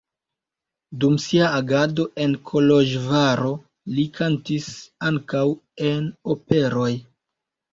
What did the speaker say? Dum sia agado en Koloĵvaro li kantis ankaŭ en operoj.